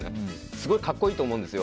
すごい格好いいと思うんですよ。